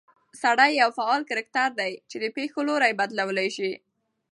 سړى يو فعال کرکټر دى، چې د پېښو لورى بدلولى شي